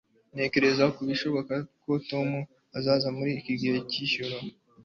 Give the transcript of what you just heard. Ntekereza ko bishoboka ko Tom azaza muri iki gihe cyijoro